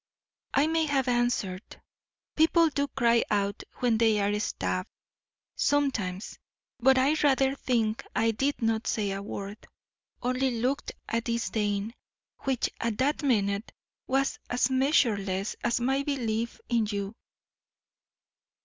I may have answered. People do cry out when they are stabbed, sometimes, but I rather think I did not say a word, only looked a disdain which at that minute was as measureless as my belief in you.